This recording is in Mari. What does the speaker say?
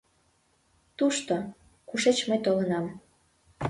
Тушто, кушеч мый толынам…